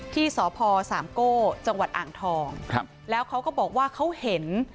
ที่สพสามโก้จังหวัดอ่างทองครับแล้วเขาก็บอกว่าเขาเห็น